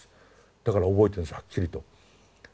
だから覚えてるんですはっきりと。